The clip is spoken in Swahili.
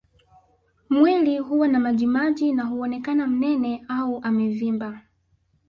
Mwili huwa na majimaji na huonekana mnene au amevimba